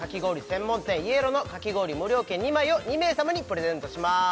専門店ｙｅｌｏのかき氷無料券２枚を２名様にプレゼントします